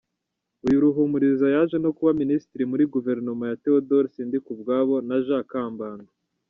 Uyu Ruhumuriza yaje no kuba Minisitiri muri guverinoma ya Theodore Sindikubwabo na Jean Kambanda.